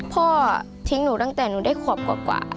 พ่อทิ้งหนูตั้งแต่หนูได้ขวบกว่า